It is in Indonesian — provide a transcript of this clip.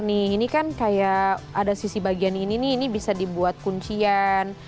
nih ini kan kayak ada sisi bagian ini nih ini bisa dibuat kuncian